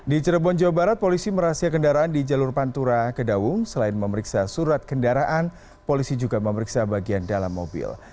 di cirebon jawa barat polisi merahasia kendaraan di jalur pantura kedawung selain memeriksa surat kendaraan polisi juga memeriksa bagian dalam mobil